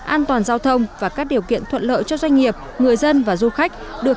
an toàn giao thông và các điều kiện thuận lợi cho doanh nghiệp người dân và du khách được